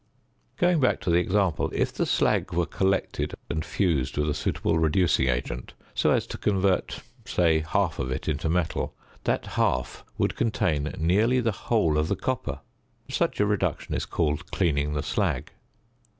Going back to the example: if the slag were collected and fused with a suitable reducing agent so as to convert, say, half of it into metal, that half would contain nearly the whole of the copper (such a reduction is called "cleaning the slag").